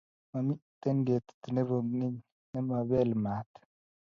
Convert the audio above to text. mamiten ketit nebo keny nemapeel maat